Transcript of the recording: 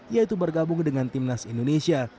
yaitu bergabung dengan timnas indonesia